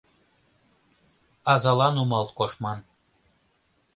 Азала нумал коштман.